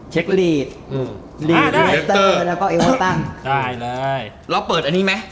เชฟอืมอ่าได้แล้วก็เอว่าตั้งได้เลยเราเปิดอันนี้ไหม